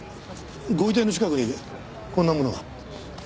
ご遺体の近くにこんなものが。